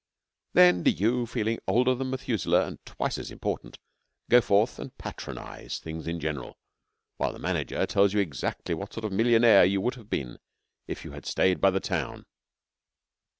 Then, do you, feeling older than Methuselah and twice as important, go forth and patronise things in general, while the manager tells you exactly what sort of millionaire you would have been if you had 'stayed by the town.'